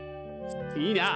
いいな！